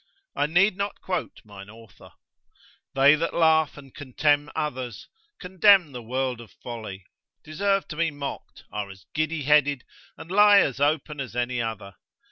I need not quote mine author; they that laugh and contemn others, condemn the world of folly, deserve to be mocked, are as giddy headed, and lie as open as any other.